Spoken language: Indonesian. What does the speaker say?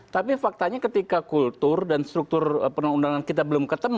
tapi faktanya ketika kultur dan struktur perundang undangan kita belum ketemu